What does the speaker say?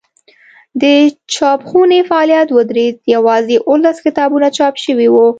د چاپخونې فعالیت ودرېد یوازې اوولس کتابونه چاپ شوي وو.